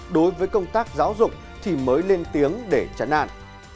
đối với công tác giáo dục thì mới lên tiếng để chẳng nạn